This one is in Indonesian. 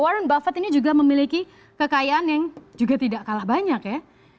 warren buffet ini juga memiliki kekayaan yang juga tidak kalah banyak ya